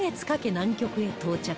南極へ到着